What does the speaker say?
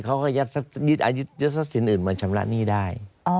เขาก็ยัดทรัพย์สินอื่นมาชำระหนี้ได้